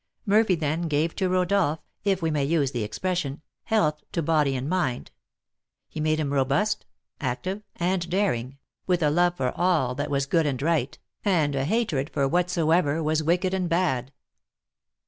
Murphy, then, gave to Rodolph, if we may use the expression, health to both body and mind; he made him robust, active, and daring, with a love for all that was good and right, and a hatred for whatsoever was wicked and bad.